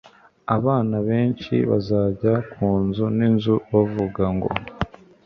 Abana benshi bazajya ku nzu n'inzu bavuga ngo